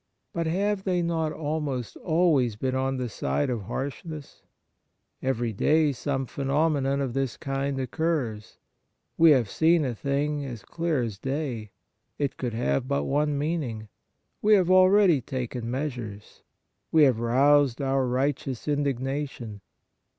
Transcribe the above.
But have they not almost always been on the side of harsh ness ? Every day some phenomenon of this kind occurs. We have seen a thing as clear as day. It could have but one mean ing. We have already taken measures. We have roused our righteous indignation.